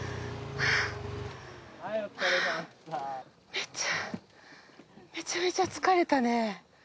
めっちゃめちゃめちゃ疲れたね。